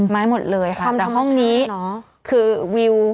หมดเลยค่ะแต่ห้องนี้คือวิว